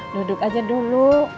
duduk aja dulu